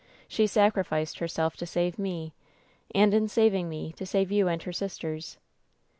She sacrificed herself to save me ; and in saving me, to save you and her sisters.